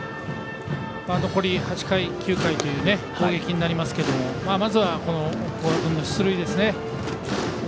残り８回、９回という攻撃になりますけれどもまずは、古賀君の出塁ですね。